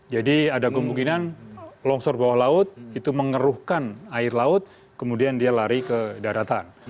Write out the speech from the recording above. jadi ada kemungkinan longsor bawah laut itu mengeruhkan air laut kemudian dia lari ke daratan